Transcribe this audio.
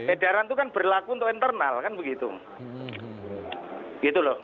edaran itu kan berlaku untuk internal kan begitu